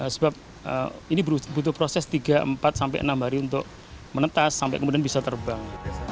sebab ini butuh proses tiga empat sampai enam hari untuk menetas sampai kemudian bisa terbang